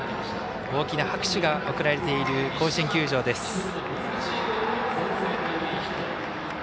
大きな拍手が送られている甲子園球場です。